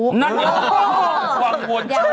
นั่นเดี๋ยววังวนชู